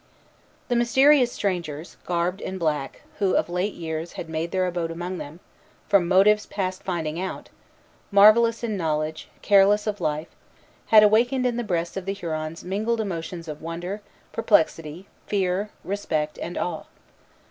The mysterious strangers, garbed in black, who of late years had made their abode among them, from motives past finding out, marvellous in knowledge, careless of life, had awakened in the breasts of the Hurons mingled emotions of wonder, perplexity, fear, respect, and awe.